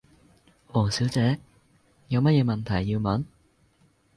王小姐，有乜嘢問題要問？